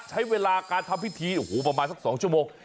ใช้เวลาการทำพิธีโอ้โหประมาณสัก๒ชั่วโมง